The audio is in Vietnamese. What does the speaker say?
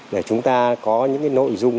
để chúng ta có những cái nội dung